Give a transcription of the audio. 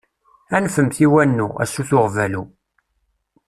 Anfemt i wannu, a sut uɣbalu!